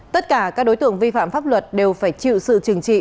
tất cả các đối tượng vi phạm pháp luật đều phải chịu sự trừng trị